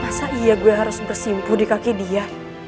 rasa iya gue harus bersimpu di kaki dia